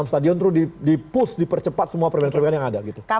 di enam stadion terus di push di percepat semua perbaikan perbaikan yang ada gitu